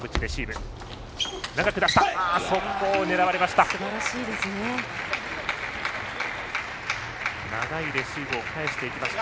速攻、狙われました。